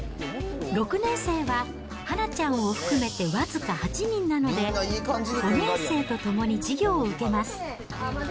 ６年生ははなちゃんを含めて僅か８人なので、５年生と共に授業を受けます。